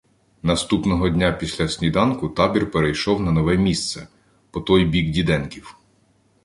Наступного дня після сніданку табір перейшов на нове місце — по той бік Діденків.